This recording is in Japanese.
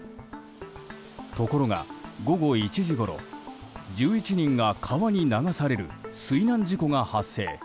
ところが、午後１時ごろ１１人が川に流される水難事故が発生。